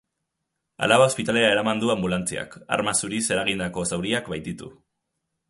Alaba ospitalera eraman du anbulatziak, arma zuriz eragindako zauriak baititu.